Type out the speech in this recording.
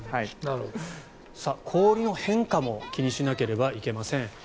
氷の変化も気にしなければいけません。